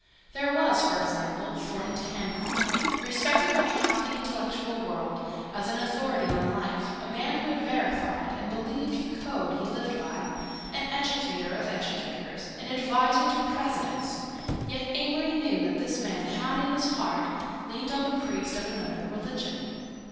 There was, for example, Thornton Hancock, respected by half the intellectual world as an authority on life, a man who had verified and believed the code he lived by, an educator of educators, an adviser to Presidents—yet Amory knew that this man had, in his heart, leaned on the priest of another religion.